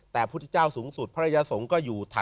แต่พุทธเจ้าสูงสุดพระอริยสงฆ์ก็อยู่ถัดลงมา